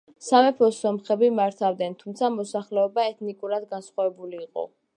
სამეფოს სომხები მართავდნენ, თუმცა მოსახლეობა ეთნიკურად განსხვავებული იყო.